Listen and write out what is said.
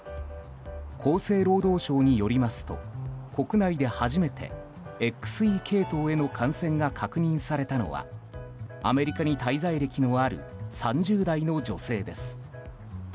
厚生労働省によりますと国内で初めてＸＥ系統への感染が確認されたのはアメリカに滞在歴のある３０代の女性です。